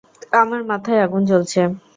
আমার মাথায় আগুন জ্বলছে।